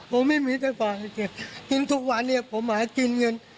ผมไม่มีแต่ฟังเลยเจ๊กินทุกวันเนี่ยผมมาให้กินเงิน